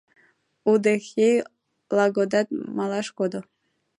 Удэхей Лагодат малаш кодо.